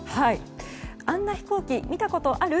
あんな飛行機見たことある？